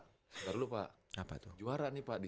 jangan lupa apa tuh juara nih pak di